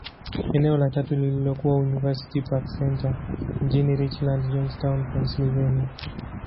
Eneo la tatu lililokuwa University Park Centre, mjini Richland, Johnstown, Pennyslvania.